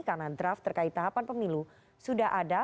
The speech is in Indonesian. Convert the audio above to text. karena draft terkait tahapan pemilu sudah ada